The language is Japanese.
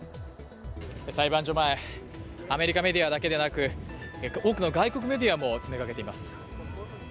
裁判所前、アメリカメディアだけでなく多くの外国メディアも詰めかけています。